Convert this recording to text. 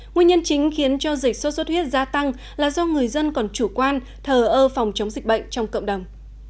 nguyên nhân chính khiến cho dịch sốt xuất huyết gia tăng là do người dân còn chủ quan thờ ơ phòng chống dịch bệnh trong cộng đồng